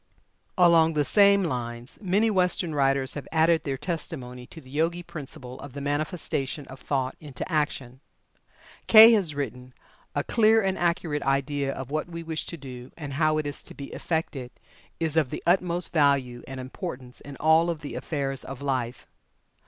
Along the same lines, many Western writers have added their testimony to the Yogi principle of the manifestation of thought into action. Kay has written: "A clear and accurate idea of what we wish to do, and how it is to be effected, is of the utmost value and importance in all the affairs of life.